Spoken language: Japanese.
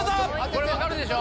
これ分かるでしょ！